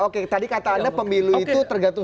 oke tadi kata anda pemilu itu tergantung